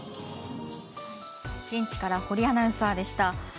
現地から堀アナウンサーでした。